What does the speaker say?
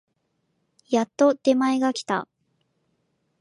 やっと出前が来た